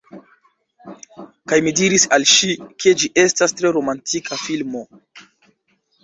Kaj mi diris al ŝi, ke ĝi estas tre romantika filmo.